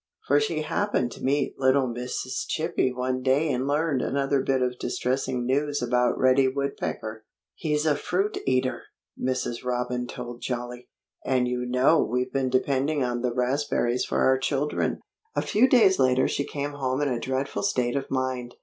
For she happened to meet little Mrs. Chippy one day and learned another bit of distressing news about Reddy Woodpecker. "He's a fruit eater!" Mrs. Robin told Jolly. "And you know we've been depending on the raspberries for our children." A few days later she came home in a dreadful state of mind.